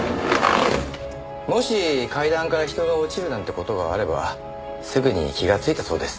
もし階段から人が落ちるなんて事があればすぐに気がついたそうです。